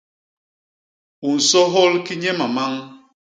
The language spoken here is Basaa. U nsôhôl ki nye mamañ?